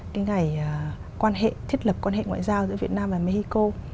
cái ngày thiết lập quan hệ ngoại giao giữa việt nam và mexico